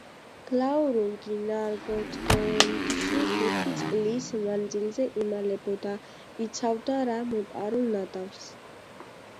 გლაურუნგი ნარგოთრონდში ხუთი წლის მანძილზე იმალებოდა, იცავდა რა მოპარულ ნადავლს.